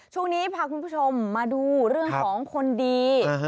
ช่วงนี้พาคุณผู้ชมมาดูเรื่องของคนดี